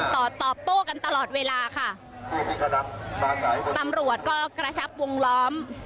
ตอบตอบโต้กันตลอดเวลาค่ะตำรวจก็กระชับวงล้อม